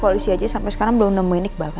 polisi aja sampai sekarang belum nemuin iqbal